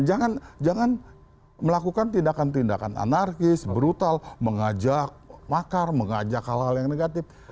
jangan melakukan tindakan tindakan anarkis brutal mengajak makar mengajak hal hal yang negatif